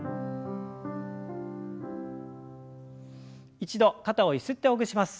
一度肩をゆすってほぐします。